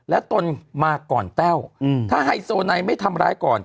และตนมาก่อนแต้วถ้าไฮโซไนไม่ทำร้ายก่อน